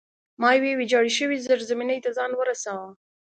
ما یوې ویجاړې شوې زیرزمینۍ ته ځان ورساوه